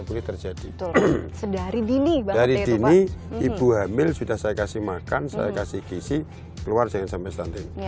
boleh terjadi dari dini ibu hamil sudah saya kasih makan saya kasih gizi keluar jangan sampai stunting